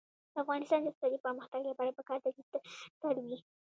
د افغانستان د اقتصادي پرمختګ لپاره پکار ده چې تیاتر وي.